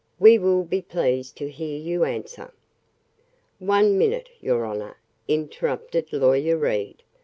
"We will be pleased to hear your answer." "One minute, your honor," interrupted Lawyer Reed.